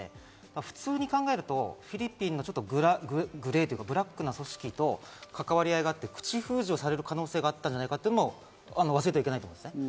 普通に考えるとフィリピンのグレーというかブラックな組織と関わり合いがあって、口封じをされる可能性があったんじゃないかというのも忘れちゃいけないと思う。